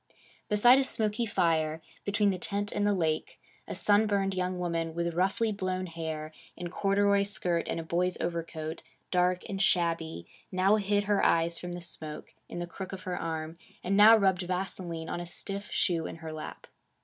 Beside a smoky fire, between the tent and the lake, a sunburned young woman with roughly blown hair, in corduroy skirt and a boy's overcoat, dark and shabby, now hid her eyes from the smoke, in the crook of her arm, and now rubbed vaseline on a stiff shoe in her lap.